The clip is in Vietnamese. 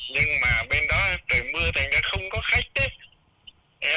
nhưng mà bên đó trời mưa thành ra không có khách đấy